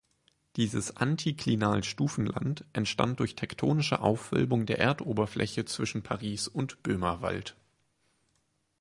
Dieses Antiklinal-Stufenland entstand durch tektonische Aufwölbung der Erdoberfläche zwischen Paris und Böhmerwald.